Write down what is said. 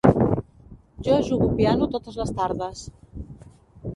Jo jugo piano totes les tardes.